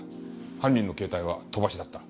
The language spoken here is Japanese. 犯人の携帯は飛ばしだった。